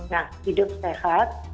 nah hidup sehat